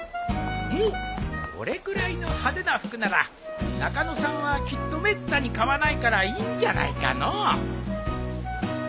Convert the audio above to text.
おっこれくらいの派手な服なら中野さんはきっとめったに買わないからいいんじゃないかのう。